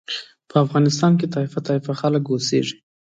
په افغانستان کې طایفه طایفه خلک اوسېږي.